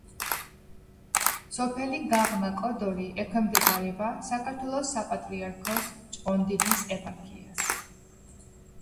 სოფელი გაღმა კოდორი ექვემდებარება საქართველოს საპატრიარქოს ჭყონდიდის ეპარქიას.